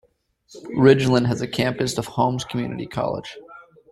Ridgeland has a campus of Holmes Community College.